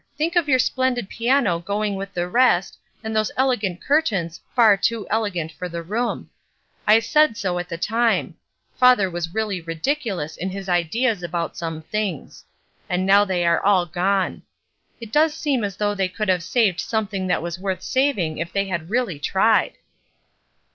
Think of your splendid piano going with the rest, and those elegant curtains, far too elegant for the room. I said THORNS 37 so at the time; father was really ridiculous in his ideas about some things. And now they are all gone. It does seem as though they could have saved something that was worth saving if they had really tried."